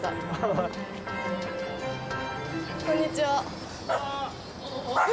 ・こんにちは。